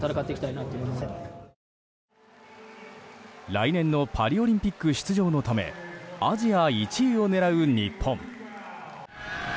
来年のパリオリンピック出場のためアジア１位を狙う日本。